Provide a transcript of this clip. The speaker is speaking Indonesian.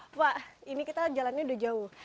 pak ini kita jalannya udah jauh